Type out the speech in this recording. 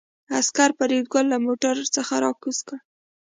عسکرو فریدګل له موټر څخه راکوز کړ